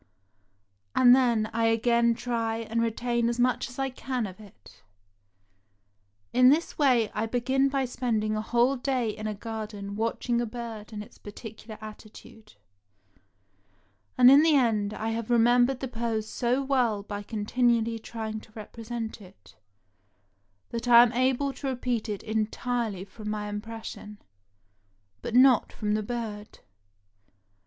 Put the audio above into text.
And then I again try and retain as much as I can of it. In this way I began by spending a whole day in a garden watching a bird and its particular attitude, and in the end I have remembered the pose so well by continually trying to represent it, that I am able to repeat it entirely from my impression — but not from the bird.